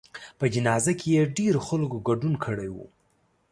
په جنازه کې یې ډېرو خلکو ګډون کړی و.